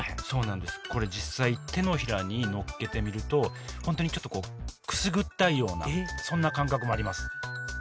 これ実際手のひらにのっけてみると本当にちょっとくすぐったいようなそんな感覚もあります